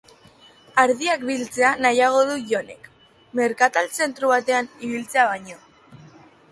Ardiak biltzea nahiago du Jon-ek, merkatal zentru batean ibiltzea baino.